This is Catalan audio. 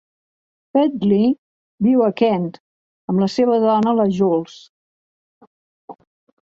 Bentley viu a Kent amb la seva dona, la Jools.